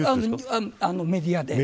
メディアで。